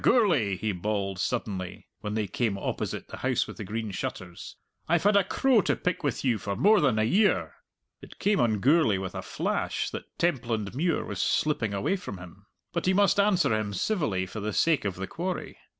Gourlay!" he bawled suddenly, when they came opposite the House with the Green Shutters, "I've had a crow to pick with you for more than a year." It came on Gourlay with a flash that Templandmuir was slipping away from him. But he must answer him civilly for the sake of the quarry.